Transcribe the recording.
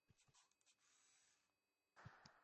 Biz Toshkentga Bahodirsiz qaytdik.